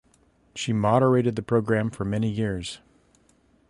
She moderated the programme for many years.